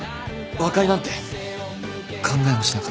和解なんて考えもしなかった。